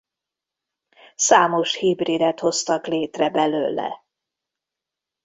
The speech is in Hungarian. Számos hibridet hoztak létre belőle.